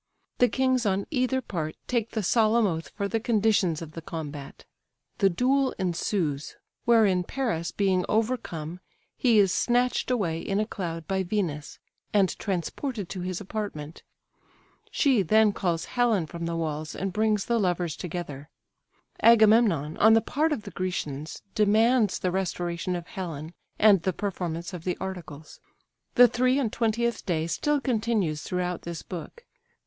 The kings on either part take the solemn oath for the conditions of the combat. The duel ensues; wherein Paris being overcome, he is snatched away in a cloud by Venus, and transported to his apartment. She then calls Helen from the walls, and brings the lovers together. Agamemnon, on the part of the Grecians, demands the restoration of Helen, and the performance of the articles. The three and twentieth day still continues throughout this book.